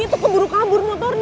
itu keburu kabur motornya